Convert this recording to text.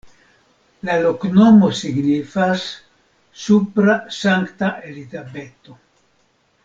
La loknomo signifas: supra-Sankta-Elizabeto.